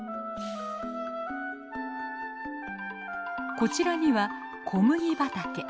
こちらには小麦畑。